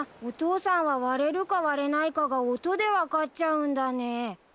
お父さんは割れるか割れないかが音で分かっちゃうんだね。